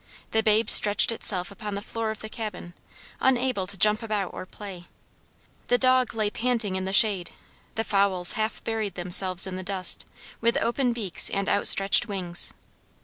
The babe stretched itself upon the floor of the cabin, unable to jump about or play, the dog lay panting in the shade, the fowls half buried themselves in the dust, with open beaks and outstretched wings.